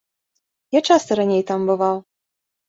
Я часта раней там бываў.